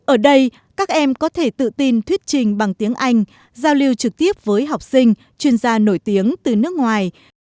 ở đây các em có thể tự tin thuyết trình bằng tiếng anh giao lưu trực tiếp với học sinh chuyên gia nổi tiếng từ nước ngoài